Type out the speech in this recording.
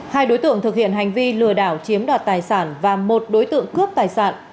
hai đối tượng thực hiện hành vi lừa đảo chiếm đoạt tài sản và một đối tượng cướp tài sản